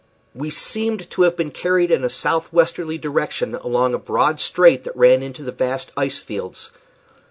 We seemed to have been carried in a southwesterly direction along a broad strait that ran into the vast ice fields.